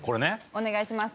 お願いします。